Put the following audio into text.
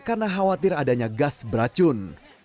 karena khawatir adanya gas beracun